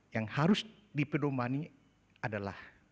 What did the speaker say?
yang harus dipedomani adalah